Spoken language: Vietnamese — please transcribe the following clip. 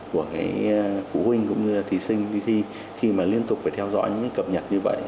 của phụ huynh cũng như là thí sinh đi thi khi mà liên tục phải theo dõi những cập nhật như vậy